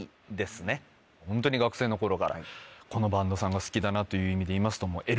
ホントに学生の頃からこのバンドさんが好きだなという意味で言いますともう。